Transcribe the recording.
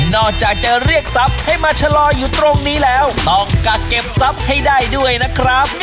นอกจากจะเรียกซับให้มาชะลอยอยู่ตรงนี้แล้วต้องกะเก็บซับให้ได้ด้วยนะครับ